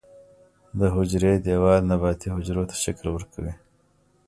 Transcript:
د حجرې دیوال نباتي حجرو ته شکل ورکوي